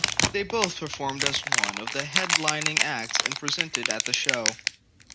They both performed as one of the headlining acts and presented at the show.